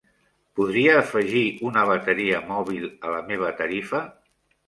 Podria afegir una bateria mòbil a la meva tarifa?